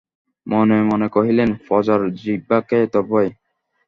মনে মনে কহিলেন– প্রজার জিহ্বাকে এত ভয়!